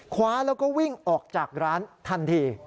คว้าแล้วก็วิ่งออกจากร้านทันที